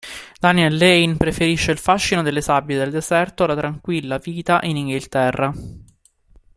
Daniel Lane preferisce il fascino delle sabbie del deserto alla tranquilla vita in Inghilterra.